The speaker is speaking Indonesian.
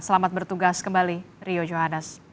selamat bertugas kembali rio johannes